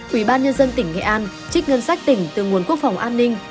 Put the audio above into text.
ủy ban nhân dân tỉnh nghệ an trích ngân sách tỉnh từ nguồn quốc phòng an ninh